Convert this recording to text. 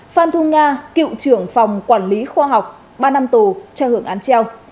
phan thu nga cựu trưởng phòng quản lý khoa học ba năm tù cho hưởng án treo